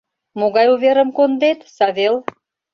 Могай уверым кондет, Савел?